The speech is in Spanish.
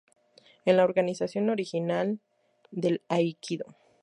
Es la organización original del aikido.